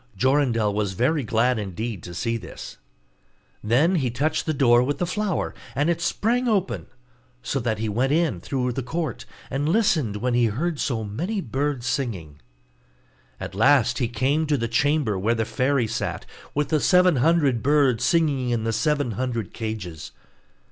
Jorindel was very glad indeed to see this. Then he touched the door with the flower, and it sprang open; so that he went in through the court, and listened when he heard so many birds singing. At last he came to the chamber where the fairy sat, with the seven hundred birds singing in the seven hundred cages.